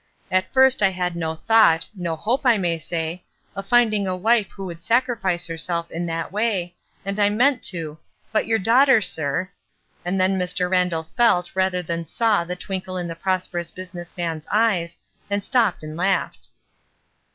At first I had no thought, no hope I may say, of finding a wife who would sacrifice herself in that way, and I meant to — but your daughter, sir," and then Mr. Randall felt rather than saw the twinkle in the prosperous business man's eyes, and stopped and laughed.